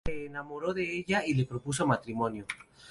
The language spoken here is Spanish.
Se enamoró de ella y le propuso matrimonio.